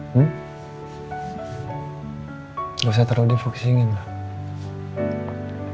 gak usah terlalu difokusingin lah